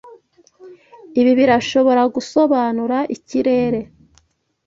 Ibi birashobora gusobanura ikirere